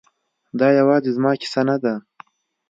دا یوازې زما کیسه نه ده